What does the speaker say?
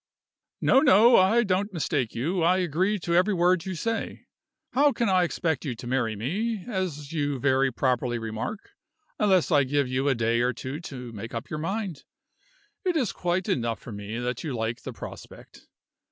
"No, no; I don't mistake you. I agree to every word you say. How can I expect you to marry me, as you very properly remark, unless I give you a day or two to make up your mind? It's quite enough for me that you like the prospect.